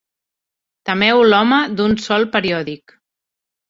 Temeu l'home d'un sol periòdic.